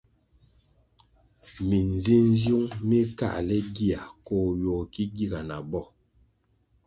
Minzinziung mi káhle gia koh ywogo ki giga na bo.